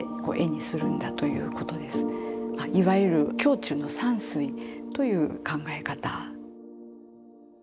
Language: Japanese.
まあいわゆる胸中の山水という考え方。